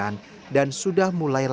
oh saya jadi senang